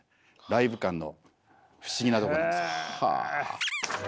ライブ感の不思議なとこなんですよ。